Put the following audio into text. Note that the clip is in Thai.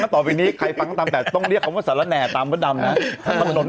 ต่อไปนี้คราวนี้ต้องเรียกว่าศาระแน่ตามมดแดมนะ